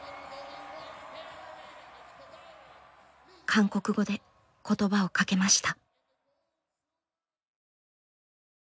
韓国語で言葉をかけました。